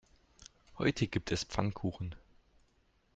Heute gibt es Pfannkuchen.